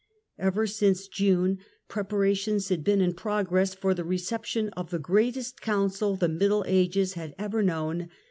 Ever since June, preparations had been in pro gress for the reception of the greatest Council the Middle Ages had ever known.